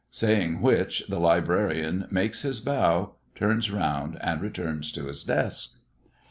Saying which the librarian makes his bow, turns round, and returns to his desk.